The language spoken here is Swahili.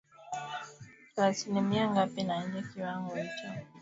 kwa asilimia ngapi na je kiwango hicho kinaweza kufidiwa kwa kuzalisha wanyama hao maeneo